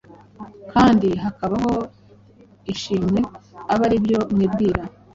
kandi hakabaho ishimwe, abe ari byo mwibwira.”